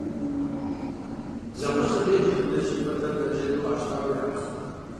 Зэгъусэу еджэхэм Налшык фэтэр бэджэндэу къыщащтауэ яӏыгъщ.